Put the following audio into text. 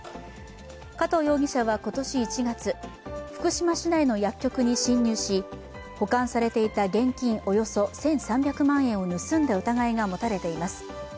加藤容疑者は今年１月、福島市内の薬局に侵入し保管されていた現金およそ１３００万円を盗んだ疑いだ持たれています。